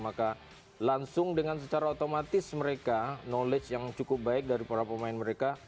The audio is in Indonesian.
maka langsung dengan secara otomatis mereka knowledge yang cukup baik dari para pemain mereka